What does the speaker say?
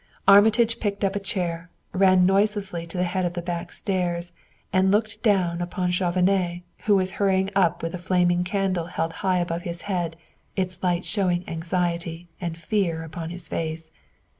Armitage picked up a chair, ran noiselessly to the head of the back stairs, and looked down upon Chauvenet, who was hurrying up with a flaming candle held high above his head, its light showing anxiety and fear upon his face.